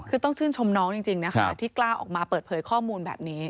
คือต้องชื่นชมน้องจริงนะคะที่กล้าออกมาเปิดเผยข้อมูลแบบนี้